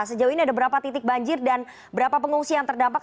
sejauh ini ada berapa titik banjir dan berapa pengungsi yang terdampak